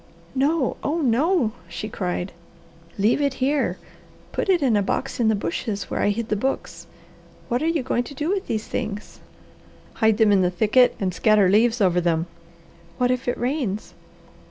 "No! Oh no!" she cried. "Leave it here. Put it in a box in the bushes where I hid the books. What are you going to do with these things?" "Hide them in the thicket and scatter leaves over them." "What if it rains?"